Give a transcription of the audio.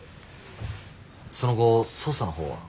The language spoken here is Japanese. その後捜査のほうは？